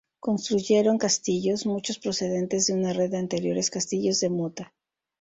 Construyeron castillos, muchos procedentes de una red de anteriores castillos de mota.